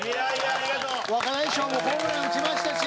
若大将もホームラン打ちましたし。